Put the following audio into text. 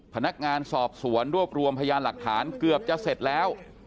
พนักงานสอบสวนรวบรวมพยานหลักฐานเกือบจะเสร็จแล้ว